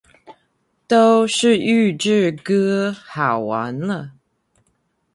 都是预制歌，好完了